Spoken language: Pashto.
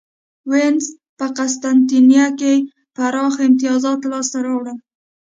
وینز په قسطنطنیه کې پراخ امیتازات لاسته راوړل.